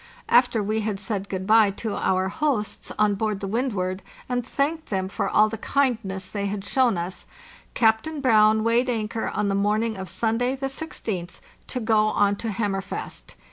After we had said good bye to our hosts on board the Wexdward and thanked them for all the kindness they had shown us, Captain Brown weighed anchor on the morning of Sunday, the 16th, to go on to Hammerfest.